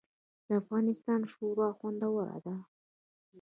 د افغانستان شوروا خوندوره ده